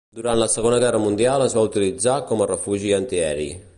Durant la Segona Guerra Mundial es va utilitzar com a refugi antiaeri.